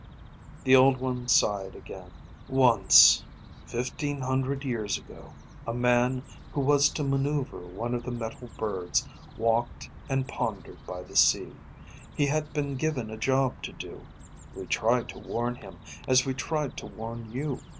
The Old One sighed again. "Once, fifteen hundred years ago, a man who was to maneuver one of the metal birds walked and pondered by the sea. He had been given a job to do. We tried to warn him, as we tried to warn you.